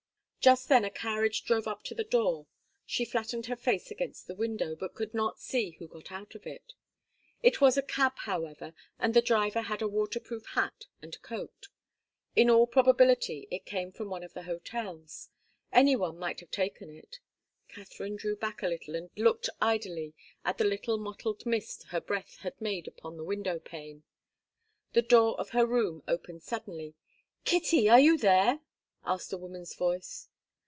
Just then a carriage drove up to the door. She flattened her face against the window, but could not see who got out of it. It was a cab, however, and the driver had a waterproof hat and coat. In all probability it came from one of the hotels. Any one might have taken it. Katharine drew back a little and looked idly at the little mottled mist her breath had made upon the window pane. The door of her room opened suddenly. "Kitty, are you there?" asked a woman's voice.